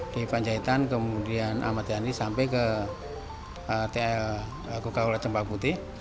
di panjaitan kemudian amat yani sampai ke kl kukaulacempa putih